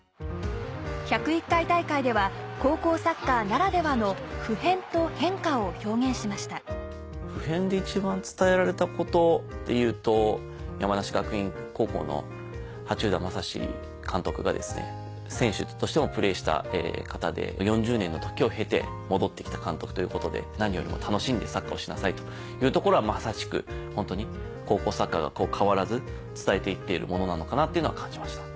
１０１回大会では高校サッカーならではのを表現しました「不変」で一番伝えられたことでいうと山梨学院高校の羽中田昌監督がですね選手としてもプレーした方で４０年の時を経て戻ってきた監督ということで何よりも楽しんでサッカーをしなさいというところはまさしくホントに高校サッカーが変わらず伝えていっているものなのかなっていうのは感じました。